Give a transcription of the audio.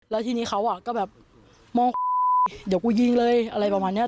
แล้วทีนี้เขาก็แบบมองเดี๋ยวกูยิงเลยอะไรประมาณนี้